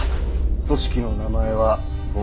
組織の名前は「土竜」。